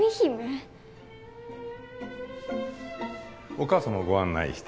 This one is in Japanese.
お母さまをご案内して。